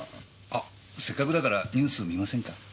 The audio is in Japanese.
あせっかくだからニュース観ませんか？